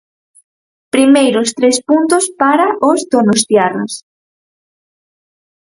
Primeiros tres puntos para os donostiarras.